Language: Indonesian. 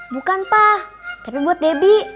bukan pah tapi buat bebi